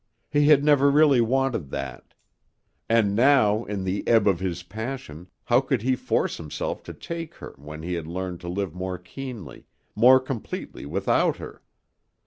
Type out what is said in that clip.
He had never really wanted that. And now, in the ebb of his passion, how could he force himself to take her when he had learned to live more keenly, more completely without her!